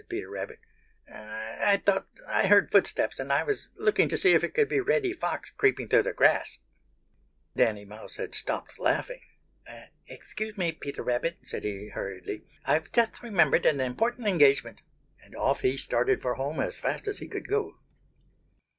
"No," said Peter Rabbit. "I thought I heard footsteps, and I was looking to see if it could be Reddy Fox creeping through the grass." Danny Meadow Mouse had stopped laughing. "Excuse me, Peter Rabbit," said he hurriedly, "I've just remembered an important engagement." And off he started for home as fast as he could go.